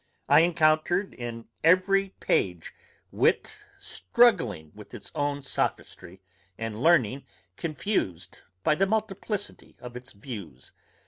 I encountered in every page Wit struggling with its own sophistry, and Learning confused by the multiplicity of its views.